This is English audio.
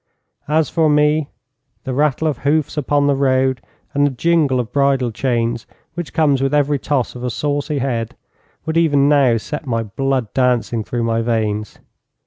As for me, the rattle of hoofs upon a road, and the jingle of bridle chains which comes with every toss of a saucy head, would even now set my blood dancing through my veins.